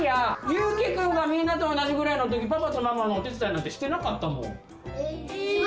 ゆーきくんがみんなと同じぐらいのときパパとママのお手伝いなんてしてなかったもん。